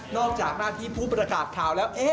จากหน้าที่ผู้ประกาศข่าวแล้ว